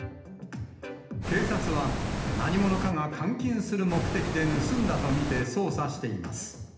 警察は、何者かが換金する目的で盗んだと見て捜査しています。